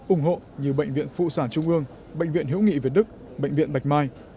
ủng hộ như bệnh viện phụ sản trung ương bệnh viện hữu nghị việt đức bệnh viện bạch mai